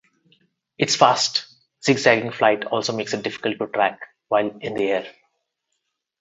Its fast, zig-zagging flight also makes it difficult to track while in the air.